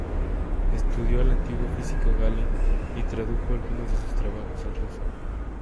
Estudió al antiguo físico Galen, y tradujo algunos de sus trabajos al ruso.